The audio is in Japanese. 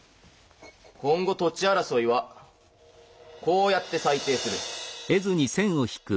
今後土地争いはこうやって裁定する。